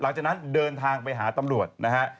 หลังจากนั้นเดินทางไปหาตำรวจนะฮะ